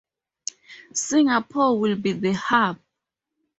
Singapore will be the hub.